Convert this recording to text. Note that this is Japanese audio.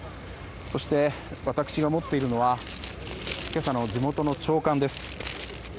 そして、私が持っているのは今朝の地元の朝刊です。